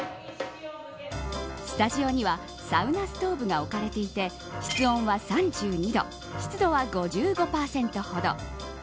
スタジオにはサウナストーブが置かれていて室温は３２度湿度は５５％ほど。